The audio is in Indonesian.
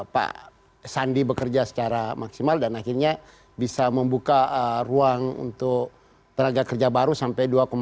pak sandi bekerja secara maksimal dan akhirnya bisa membuka ruang untuk tenaga kerja baru sampai dua lima